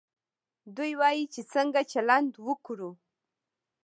دوی وايي چې څنګه چلند وکړو.